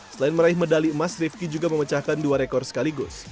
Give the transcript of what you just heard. selain meraih medali emas rifki juga memecahkan dua rekor sekaligus